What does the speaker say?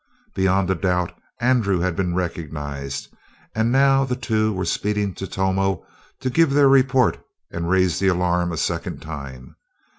Beyond a doubt Andrew had been recognized, and now the two were speeding to Tomo to give their report and raise the alarm a second time.